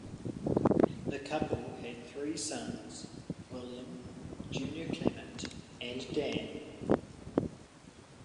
The couple had three sons, William, Junior Clement and Dan.